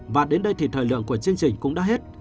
và đến đây thì thời lượng của chương trình cũng đã hết